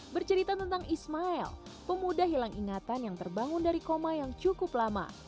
bercerita tentang ismail pemuda hilang ingatan yang terbangun dari koma yang cukup lama